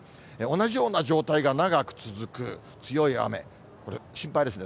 同じような状態が長く続く、強い雨、これ、心配ですね。